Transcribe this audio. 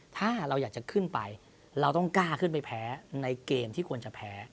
ถ้าเราอยากจะขึ้นไปเราต้องกล้าขึ้นไปแพ้ในเกมที่ควรจะแพ้